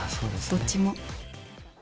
どっちも。